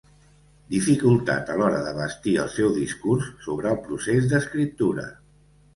“dificultat” a l'hora de bastir el seu discurs sobre el procés d'escriptura.